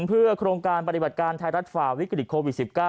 เพื่อโครงการปฏิบัติการไทยรัฐฝ่าวิกฤตโควิด๑๙